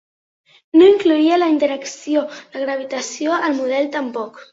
No incloïa la interacció de gravitació al model tampoc.